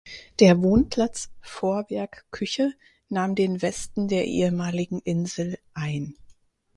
Der Wohnplatz "Vorwerk Küche" nahm den Westen der ehemaligen Insel ein.